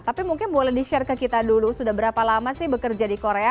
tapi mungkin boleh di share ke kita dulu sudah berapa lama sih bekerja di korea